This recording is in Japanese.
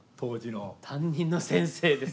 担任の先生です。